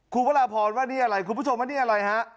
คุณพระราพรว่านี่อะไรคุณผู้ชมว่านี่อะไรฮะ